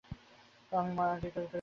সে তো আমি আগেই তৈরি করে রেখেছি।